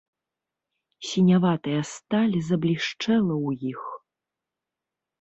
Сіняватая сталь заблішчэла ў іх.